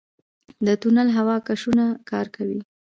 د تونل هوا کشونه کار کوي؟